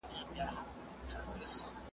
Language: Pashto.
بله چي وي راز د زندګۍ لري ,